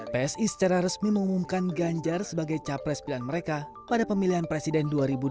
psi secara resmi mengumumkan ganjar sebagai capres pilihan mereka pada pemilihan presiden dua ribu dua puluh